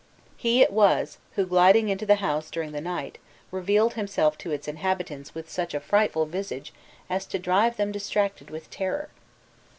He it was who, gliding into the house during the night, revealed himself to its inhabitants with such a frightful visage as to drive them distracted with terror.